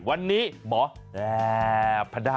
วันนี้หมอแหล่บพัด้า